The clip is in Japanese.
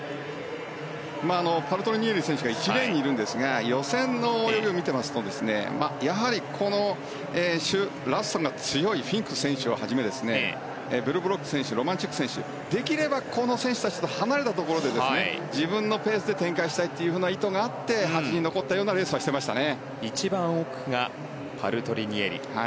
パルトリニエリ選手が１レーンにいるんですが予選の泳ぎを見ていますとやはりこのラストに強いフィンク選手をはじめベルブロック選手ロマンチュク選手できればこの選手たちと離れたところで自分のペースで展開したいという意図があって端に残ったような一番奥がパルトリニエリ。